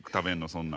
そんな。